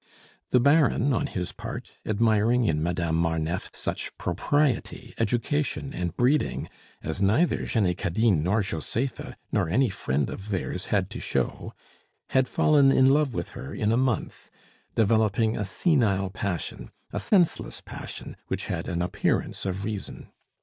The Baron, on his part, admiring in Madame Marneffe such propriety, education, and breeding as neither Jenny Cadine nor Josepha, nor any friend of theirs had to show, had fallen in love with her in a month, developing a senile passion, a senseless passion, which had an appearance of reason.